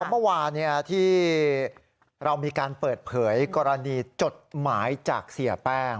เมื่อวานที่เรามีการเปิดเผยกรณีจดหมายจากเสียแป้ง